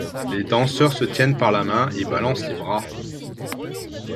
Les danseurs se tiennent par la main et balancent les bras.